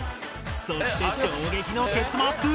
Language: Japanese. そして衝撃の結末！